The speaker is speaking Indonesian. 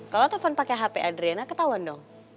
kalau telepon pake hp adrena ketauan dong